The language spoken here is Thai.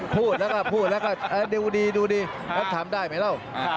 พูดแล้วก็พูดแล้วก็ดูดีดูดีแล้วทำได้ไหมเล่า